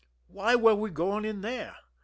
Why were we going in there ?